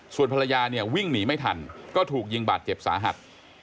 ส่วนภรรยาเนี่ยวิ่งหนีไม่ทันก็ถูกยิงบาดเจ็บสาหัส